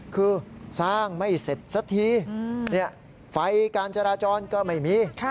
คือสร้างไม่เสร็จสักทีไฟการจราจรก็ไม่มี